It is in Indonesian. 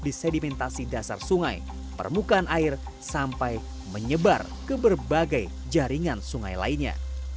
di sedimentasi dasar sungai permukaan air sampai menyebar ke berbagai jaringan sungai lainnya